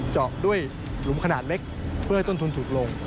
เจาะด้วยหลุมขนาดเล็กเพื่อให้ต้นทุนถูกลง